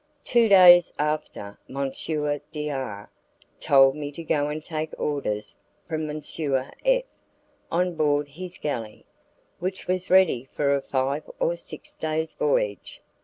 Two days afterwards, M. D R , told me to go and take orders from M. F on board his galley, which was ready for a five or six days' voyage.